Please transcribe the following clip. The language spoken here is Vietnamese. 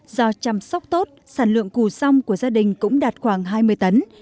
do chăm sóc tốt sản lượng củ rong của gia đình cũng đạt khoảng hai mươi tấn